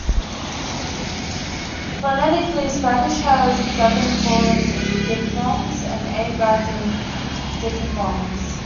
Phonetically, Spanish has seven falling diphthongs and eight rising diphthongs.